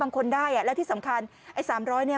บางคนได้อ่ะแล้วที่สำคัญไอ้สามร้อยเนี้ย